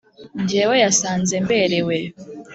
Njyewe yasanze mberewe